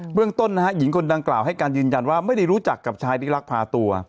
เรื่องต้นนะฮะหญิงคนดังกล่าวให้การยืนยันว่าไม่ได้รู้จักกับชายที่รักพาตัว